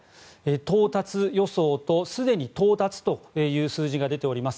到達予想とすでに到達という数字が出ております。